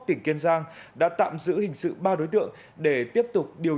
tỉnh kiên giang đã tạm giữ hình sự ba đối tượng để tiếp tục điều